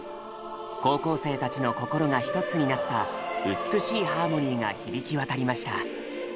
高校生たちの心がひとつになった美しいハーモニーが響き渡りました。